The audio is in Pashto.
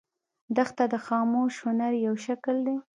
دښته د خاموش هنر یو شکل دی.